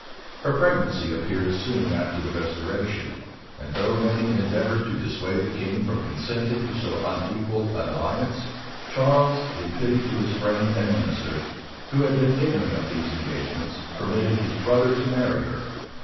Her pregnancy appeared soon after the restoration; and though many endeavored to dissuade the king from consenting to so unequal an alliance, Charles, in pity to his friend and minister, who had been ignorant of these engagements, permitted his brother to marry her.